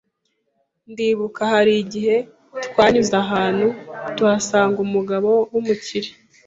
ndibuka hari igihe twanyuze ahantu tuhasanga umugabo w’umukire